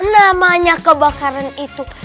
namanya kebakaran itu